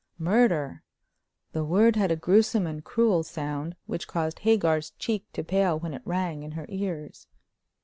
Murder! The word had a gruesome and cruel sound, which caused Hagar's cheek to pale when it rang in her ears.